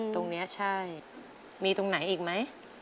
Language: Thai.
ตรงนี้ใช่มีตรงไหนอีกไหม